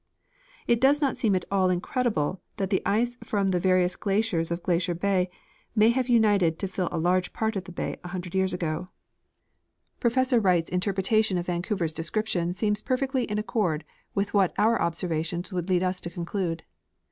It does not seem at all incredible that the ice from the various glaciers of Glacier bay may have united to fill a large part of the bay a hundred years ago. Professor Wright's 42 H. F. Reld — Studies of Miiir Glacier. interpretation of Vancouver's description seems perfectly in ac cord with what our observations would lead us to conclude.